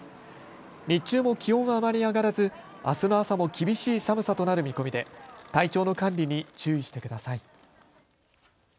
日中も気温はあまり上がらずあすの朝も厳しい寒さとなる見込みで体調の管理に注意してください。